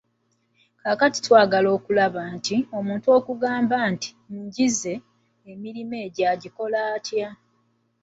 Kaakati twagala okulaba nti: Omuntu okugamba nti: "Njinze", emirimo egyo agikola atya?